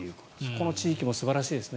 この地域も素晴らしいですね。